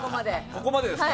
ここまでですか？